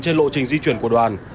trên lộ trình di chuyển của đoàn